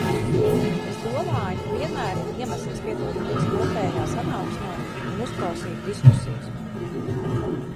Es domāju, ka vienmēr ir iemesls piedalīties kopējā sanāksmē un uzklausīt diskusijas.